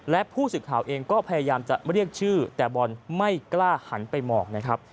และผู้สื่อข่าวเองก็พยายามจะเรียกชื่อแต่บอลไม่กล้าหันไปมองนะครับ